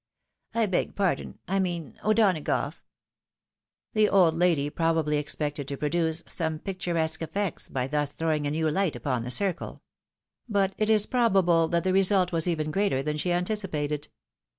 — I beg pardon, I mean O'Donagough." The old lady probably expected to produce some picturesque effects by thus throwing a new hght upon the circle ; but it is probable that the result was even greater than she anticipated.